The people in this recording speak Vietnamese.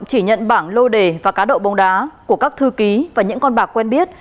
chỉ nhận bảng lô đề và cá độ bóng đá của các thư ký và những con bạc quen biết